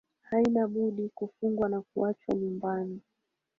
Haina budi kufungwa na kuachwa nyumbani